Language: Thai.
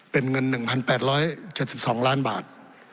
เป็นเงิน๑๘๗๒ล้านบาท